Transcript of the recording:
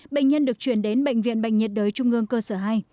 bệnh nhân được chuyển đến bệnh viện bệnh nhiệt đới trung ương cơ sở hai